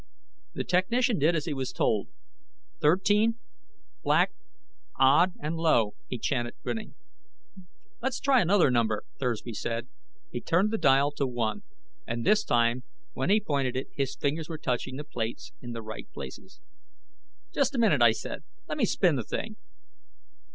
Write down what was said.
The technician did as he was told. "Thirteen, Black, Odd, and Low," he chanted, grinning. "Let's try another number," Thursby said. He turned the dial to One. And this time, when he pointed it, his fingers were touching the plates in the right places. "Just a minute," I said. "Let me spin that thing."